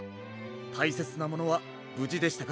たいせつなものはぶじでしたか？